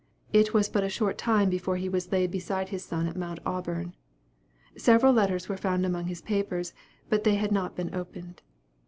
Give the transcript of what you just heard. It was but a short time before he was laid beside his son at Mount Auburn. Several letters were found among his papers, but they had not been opened.